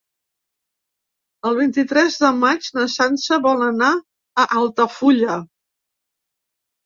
El vint-i-tres de maig na Sança vol anar a Altafulla.